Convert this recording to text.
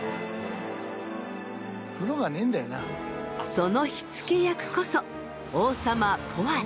その火付け役こそ王様ポワレ。